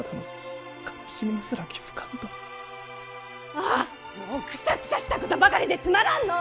あーもうくさくさしたことばかりでつまらんのぅ。